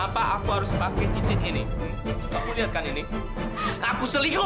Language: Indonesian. lara kan gak nakal ya